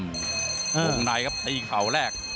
โรงนายครับตะยิงข่าวแรก